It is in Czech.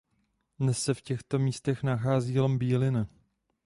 Dnes se v těchto místech nachází lom Bílina.